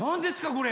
これ。